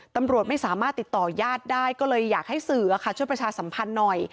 ตำรวจไม่สามารถติดต่อญาติได้ก็เลยอยากให้สื่อช่วยประชาสัมพันธ์หน่อย